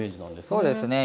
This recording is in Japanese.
そうですね